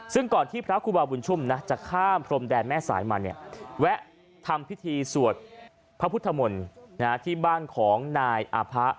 ซึ่งก่อนที่พระครูบาบุญชุมจะข้ามพรมแดนแม่สายมาเนี่ยแวะทำพิธีสวดพระพุทธมนต์ที่บ้านของนายอาผะ